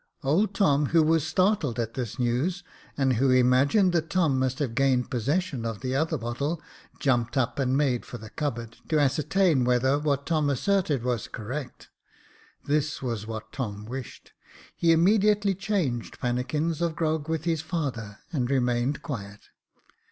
Old Tom, who was startled at this news, and who imagined that Tom must have gained possession of the other bottle, jumped up and made for the cupboard, to ascertain whether what Tom asserted was correct. This was what Tom wished : he immediately changed pannikins of grog with his father, and remained quiet.